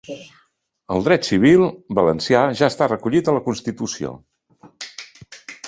El dret civil valencià ja està recollit a la constitució